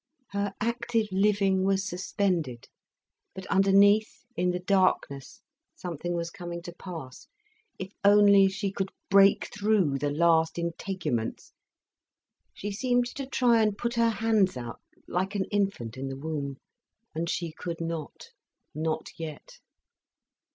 Her active living was suspended, but underneath, in the darkness, something was coming to pass. If only she could break through the last integuments! She seemed to try and put her hands out, like an infant in the womb, and she could not, not yet.